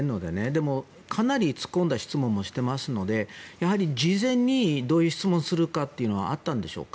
でも、かなり突っ込んだ質問もしていますので事前にどういう質問をするかというのはあったんでしょうか？